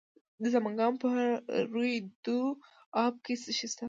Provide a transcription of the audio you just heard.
د سمنګان په روی دو اب کې څه شی شته؟